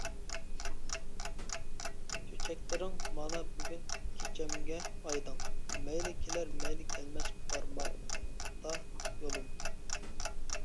چۆچەكلىرىڭ مانا بۈگۈن كېچەمگە ئايدىڭ، مەيلى كېلەر مەيلى كەلمەس بارماقتا يولۇم.